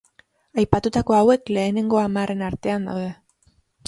Aipatutako hauek lehenengo hamarren artean daude.